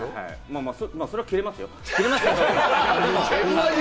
それはキレますよ。